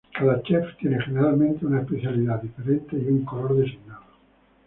Cada chef tiene generalmente una especialidad diferente y un color designado.